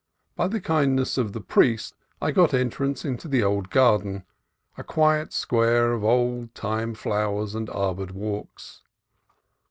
By the kindness of the priest I got entrance into the old garden, a quiet square of old time flow ers and arbored walks.